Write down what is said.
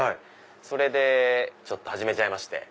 それで始めちゃいまして。